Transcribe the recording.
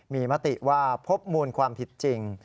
มีมติว่าพบมูลความผิดจริง